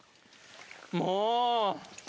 もう。